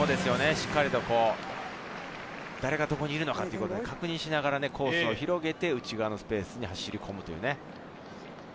そしてここ、誰がどこにいるのかというのを確認しながら、コースを広げて内側のスペースに走り込む。